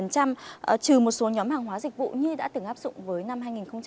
trừ một số nhóm hàng hóa dịch vụ như đã từng áp dụng với năm hai nghìn hai mươi